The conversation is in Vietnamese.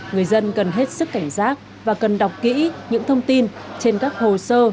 người dân cần hết sức cảnh giác và cần đọc kỹ những thông tin trên các hồ sơ